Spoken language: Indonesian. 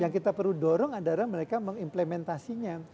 yang kita perlu dorong adalah mereka mengimplementasinya